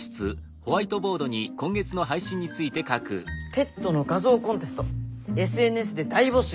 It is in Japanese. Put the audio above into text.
「ペットの画像コンテストＳＮＳで大募集！！」。